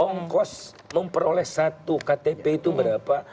ongkos memperoleh satu ktp itu berapa